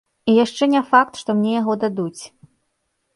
І яшчэ не факт, што мне яго дадуць.